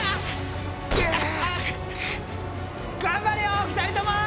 頑張れよ２人とも！